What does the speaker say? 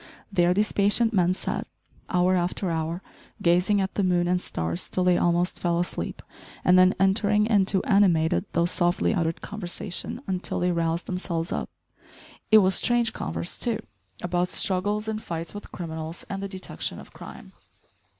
There these patient men sat, hour after hour, gazing at the moon and stars till they almost fell asleep, and then entering into animated, though softly uttered, conversation until they roused themselves up. It was strange converse too, about struggles and fights with criminals and the detection of crime.